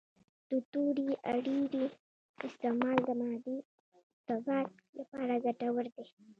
د تورې اریړې استعمال د معدې د باد لپاره ګټور دی